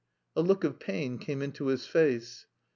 A look of pain came into his face.